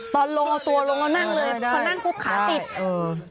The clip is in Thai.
ตอนลงตัวลงแล้วนั่งเลยพอนั่งคุกขาติด